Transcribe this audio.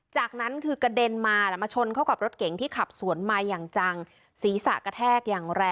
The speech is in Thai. จากนั้นคือกระเด่นมาแล้วมาชนเข้ากับรถเก่งที่ขับสวนไมร์